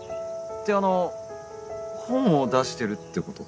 ってあの本を出してるってこと？